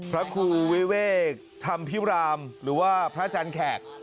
พระครูวิเวกธรรมพิรามหรือว่าพระอาจารย์แขก